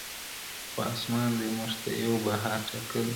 خو اسمان دی موږ ته یو بهار ټاکلی -